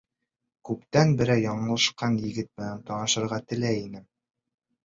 Күптән берәй яңылышҡан егет менән танышырға теләй инем.